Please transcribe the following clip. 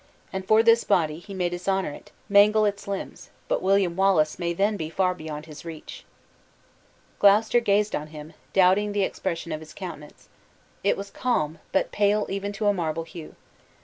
And for this body, he may dishonor it, mangle its limbs, but William Wallace may then be far beyond his reach." Gloucester gazed on him, doubting the expression of his countenance. It was calm, but pale even to a marble hue.